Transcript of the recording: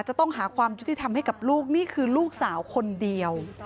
จะต้องหาความยุติธรรมให้กับลูกนี่คือลูกสาวคนเดียว